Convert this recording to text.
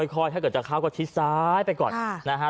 ถ้าเกิดจะเข้าก็ชิดซ้ายไปก่อนนะฮะ